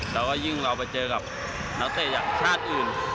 แล้วก็ยิ่งเราไปเจอกับนักเตะจากชาติอื่น